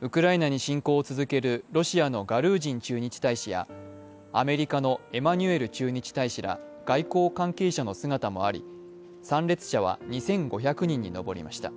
ウクライナに侵攻を続けるロシアのガルージン駐日大使やアメリカのエマニュエル駐日大使ら、外交関係者の姿もあり、参列者は２５００人に上りました。